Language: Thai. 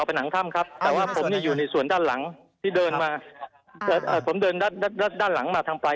บางอย่างผมไม่ได้อยู่ในส่วนก่อนเจาะผนังถ้ำครับ